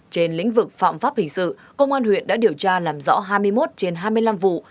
trên lĩnh vực phạm pháp hình sự công an huyện đã điều tra làm rõ hai mươi một trên hai mươi năm vụ